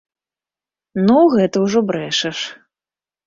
Ну, гэта ўжо брэшаш!